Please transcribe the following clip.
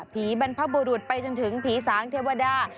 บรรพบุรุษไปจนถึงผีสางเทวดา